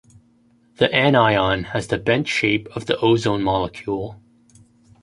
The anion has the bent shape of the ozone molecule.